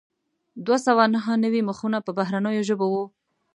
دوه سوه نهه نوي مخونه په بهرنیو ژبو وو.